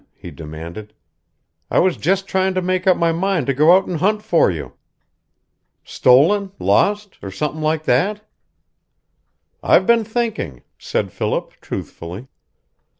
he demanded. "I was just trying to make up my mind to go out and hunt for you. Stolen lost or something like that?" "I've been thinking," said Philip, truthfully.